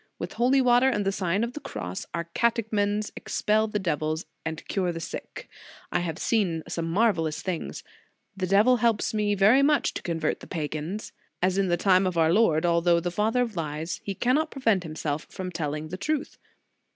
With holy water and the Sign of the Cross, our catechumens expel the devils, and cure the sick. I have seen some * Horail. xxix. in Evang. f Ubi supra. In the Nineteenth Century. 195 marvellous things. The devil helps me very much to convert the pagans. As in the time of our Lord, although the father of lies, he cannot prevent himself from telling the truth.